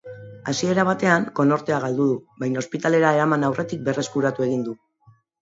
Hasiera batean konortea galdu du, baina ospitalera eraman aurretik berreskuratu egin du.